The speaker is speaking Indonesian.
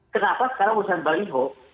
kenapa sekarang usian baliho